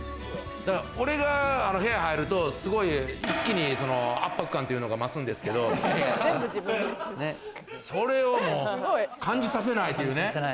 俺が部屋入ると、すごい一気に圧迫感っていうのが増すんですけど、それをもう感じさせないというね。